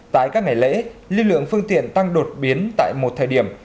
tại các ngày lễ lưu lượng phương tiện tăng đột biến tại một thời điểm